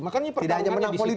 makanya pertarungannya di situ